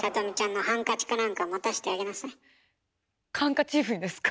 ハンカチーフですか？